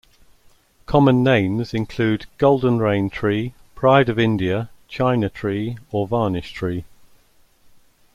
Common names include goldenrain tree, pride of India, China tree, or varnish tree.